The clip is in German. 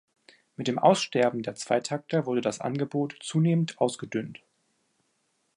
Mit dem Aussterben der Zweitakter wurde das Angebot zunehmend ausgedünnt.